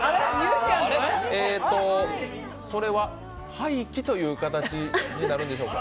えーと、それは廃棄という形になるんでしょうか？